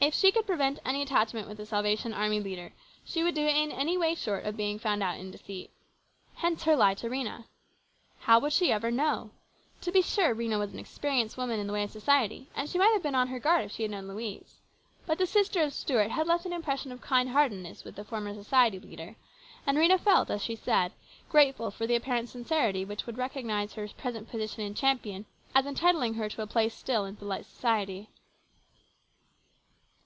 If she could prevent any attachment with a Salvation Army leader, she would do it in any way short of being found out in deceit. Hence her lie to Rhena. How would she ever know ? To be sure, Rhena was an experienced woman in the way of society, and she might have been on her guard if she had known Louise. But the sister of Stuart PLANS GOOD AND BAD. 169 had left an impression of kind heartedness with the former society leader, and Rhena felt, as she said, grateful for the apparent sincerity which would recognise her present position in Champion as entitling her to a place still in polite society.